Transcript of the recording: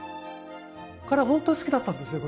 彼本当好きだったんですよ